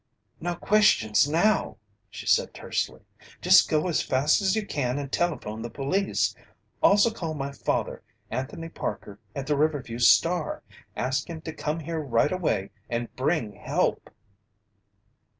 "No questions now!" she said tersely. "Just go as fast as you can and telephone the police! Also call my father, Anthony Parker at the Riverview Star! Ask him to come here right away and bring help!"